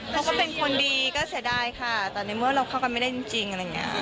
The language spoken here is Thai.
เขาก็เป็นคนดีก็เสียดายค่ะแต่ในเมื่อเราเข้ากันไม่ได้จริงอะไรอย่างนี้